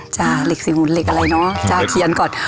เหล็กสี่หุ่นเหล็กอะไรเนอะจ้าเทียนก่อน